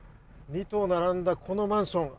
２棟並んだこのマンション。